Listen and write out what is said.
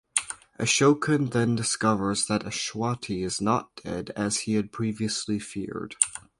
Ashokan then discovers that Ashwati is not dead as he had previously feared.